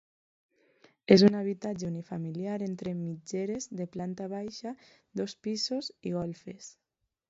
És un habitatge unifamiliar entre mitgeres de planta baixa, dos pisos i golfes.